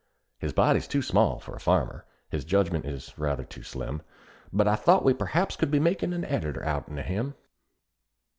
His body's too small for a farmer, his judgment is rather too slim, But I thought we perhaps could be makin' an editor outen o' him!